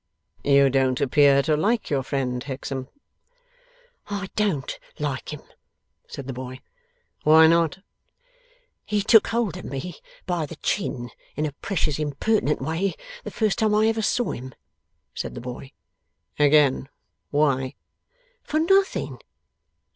'You don't appear to like your friend, Hexam?' 'I DON'T like him,' said the boy. 'Why not?' 'He took hold of me by the chin in a precious impertinent way, the first time I ever saw him,' said the boy. 'Again, why?' 'For nothing.